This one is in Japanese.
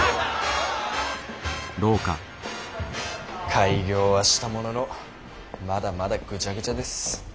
開業はしたもののまだまだぐちゃぐちゃです。